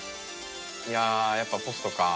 いややっぱポストかあ。